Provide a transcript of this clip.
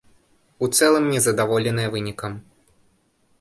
У цэлым не задаволеныя вынікам.